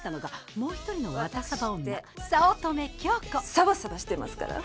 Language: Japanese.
サバサバしてますから！